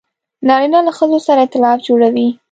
نارینه له ښځو سره ایتلاف جوړوي.